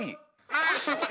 あしまった！